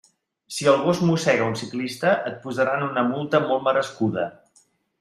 Si el gos mossega un ciclista, et posaran una multa molt merescuda.